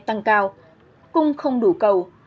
tăng cao cùng không đủ cầu